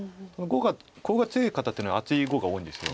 コウが強い方っていうのは厚い碁が多いんです。